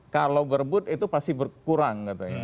kalau berebut itu pasti berkurang katanya